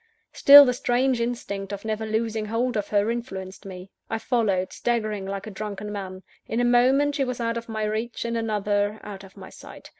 Still, the strange instinct of never losing hold of her, influenced me. I followed, staggering like a drunken man. In a moment, she was out of my reach; in another, out of my sight.